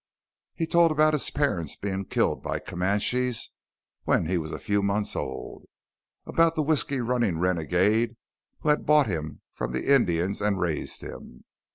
He told about his parents being killed by Comanches when he was a few months old, about the whisky running renegade who had bought him from the Indians and raised him.